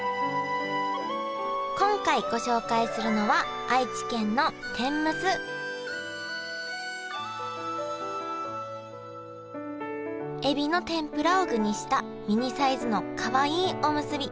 今回ご紹介するのはエビの天ぷらを具にしたミニサイズのかわいいおむすび。